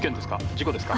事故ですか？